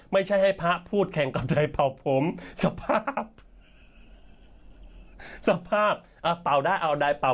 ไม่ใช่ให้พระพูดแข่งกับใดเป่าผมสภาพสภาพเป่าได้เอาใดเป่า